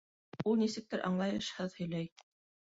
Ул нисектер аңлайышһыҙ һөйләй.